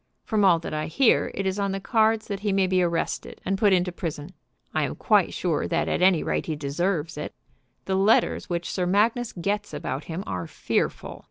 From all that I hear, it is on the cards that he may be arrested and put into prison. I am quite sure that at any rate he deserves it. The letters which Sir Magnus gets about him are fearful.